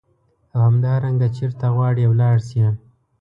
او همدارنګه چیرته غواړې ولاړ شې.